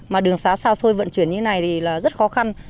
mà đường xá xa xôi vận chuyển như thế này thì là rất khó khăn